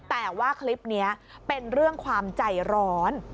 แต่ว่าคลิปนี้เป็นเรื่องความใจร้อน